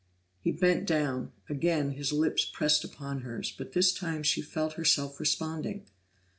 He bent down; again his lips pressed upon hers, but this time she felt herself responding.